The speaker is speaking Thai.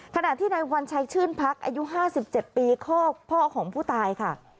ขนาดที่ในวันใช้ชื่นพักอายุ๕๗ปีข้อพ่อของผู้ตายค่ะ